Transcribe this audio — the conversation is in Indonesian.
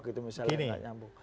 gitu misalnya gak nyambung